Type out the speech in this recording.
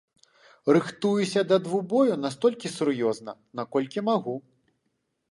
Рыхтуюся да двубою настолькі сур'ёзна, наколькі магу.